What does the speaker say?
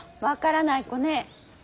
分からない子ね。